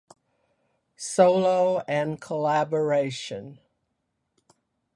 Solo and Collaboration